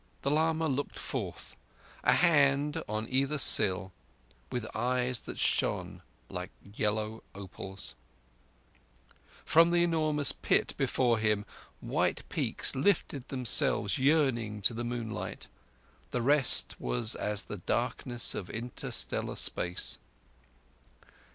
The lama looked forth, a hand on either sill, with eyes that shone like yellow opals. From the enormous pit before him white peaks lifted themselves yearning to the moonlight. The rest was as the darkness of interstellar space.